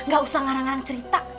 gak usah ngarang ngarang cerita